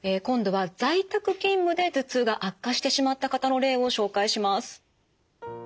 今度は在宅勤務で頭痛が悪化してしまった方の例を紹介します。